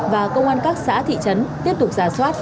và công an các xã thị trấn tiếp tục giả soát